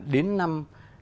đến năm hai nghìn hai mươi